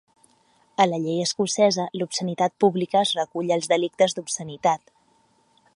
A la llei escocesa, l'obscenitat pública es recull als Delictes d'obscenitat.